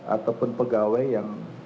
ataupun pegawai yang